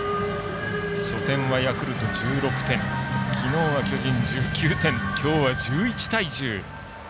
初戦はヤクルト１６点きのうは巨人１９点きょうは１１対１０。